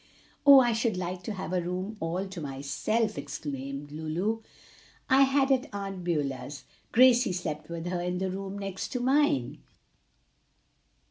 "Oh, I should like to have a room all to myself!" exclaimed Lulu. "I had at Aunt Beulah's. Gracie slept with her, in the room next to mine."